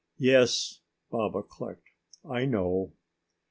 "Yes," Baba clicked, "I know."